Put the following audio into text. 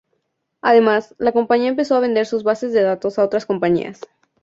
Además, la compañía empezó a vender sus bases de datos a otras compañías.